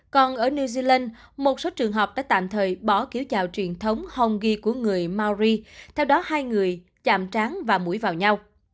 còn ở new zealand một số trường học đã tạm thời bỏ kiểu chào truyền thống hong gi của người maori theo đó hai người chạm tráng và mũi vào nhau